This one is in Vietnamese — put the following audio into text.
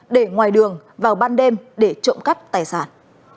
để ngoài đường vào ban đêm để trộm cắp tài sản